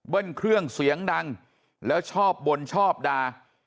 เครื่องเสียงดังแล้วชอบบ่นชอบด่า